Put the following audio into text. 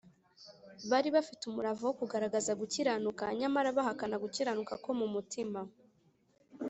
. Bari bafite umurava wo kugaragaza gukiranuka, nyamara bahakana gukiranuka ko mu mutima.